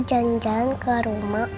jalan jalan ke rumah